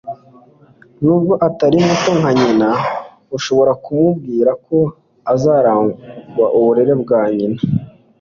Nubwo atari muto nka nyina, ushobora kumubwira ko azaragwa uburebure bwa nyina.